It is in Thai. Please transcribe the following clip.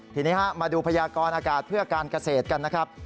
ทีนี้มาดูพยากรอากาศเพื่อการเกษตรกันนะครับ